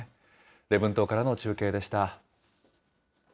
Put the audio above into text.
礼文島からの中継でした。